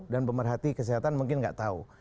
dan pemerhati kesehatan mungkin nggak tahu